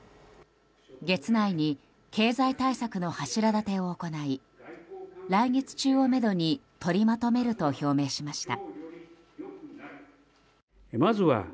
月内に経済対策の柱立てを行い来月中をめどに取りまとめると表明しました。